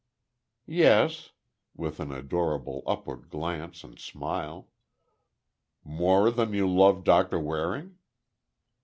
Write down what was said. "Yes," with an adorable upward glance and smile. "More than you loved Doctor Waring?"